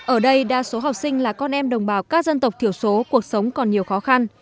ở đây đa số học sinh là con em đồng bào các dân tộc thiểu số cuộc sống còn nhiều khó khăn